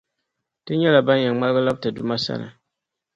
Ti nyɛla ban yɛn ŋmalgi nlabi ti Duuma sani.